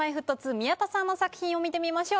宮田さんの作品を見てみましょう。